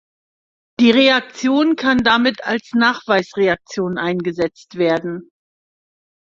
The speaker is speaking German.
Die Reaktion kann damit als Nachweisreaktion eingesetzt werden.